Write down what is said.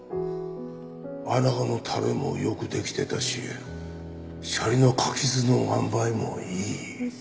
穴子のタレもよくできてたしシャリの柿酢のあんばいもいい。